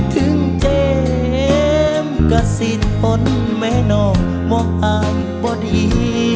ถึงเจมส์ก็สิทธิ์ต้นแม่น้องมองอ้ายบ่ดี